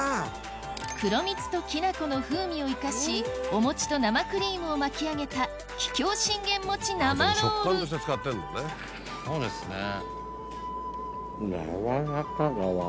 黒蜜ときな粉の風味を生かしお餅と生クリームを巻き上げた軟らかっガワ。